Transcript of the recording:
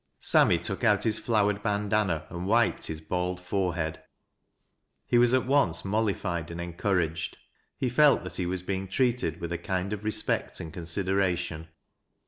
Sammy took out his flowered bandanna and wiped lii» bald forehead. He was at once mollified and encouraged He felt that he was being treated with a kind of respect and consideration.